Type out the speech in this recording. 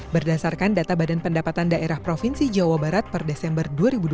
berdasarkan data badan pendapatan daerah provinsi jawa barat per desember dua ribu dua puluh